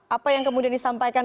apa yang kemudian disampaikan